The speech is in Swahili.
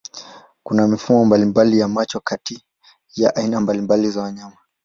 Kuna mifumo mbalimbali ya macho kati ya aina mbalimbali za wanyama.